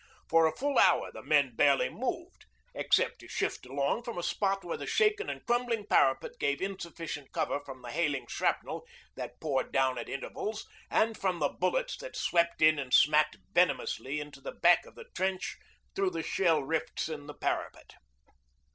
For a full hour the men barely moved, except to shift along from a spot where the shaken and crumbling parapet gave insufficient cover from the hailing shrapnel that poured down at intervals, and from the bullets that swept in and smacked venomously into the back of the trench through the shell rifts in the parapet.